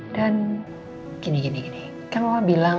dan gini gini gini kalau bilang